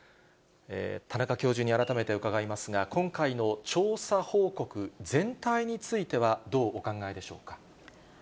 田中教授に改めて伺いますが、今回の調査報告全体については、どうお考えでしょうか。